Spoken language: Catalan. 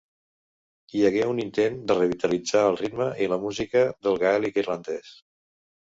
Hi hagué un intent de revitalitzar el ritme i la música del gaèlic irlandès.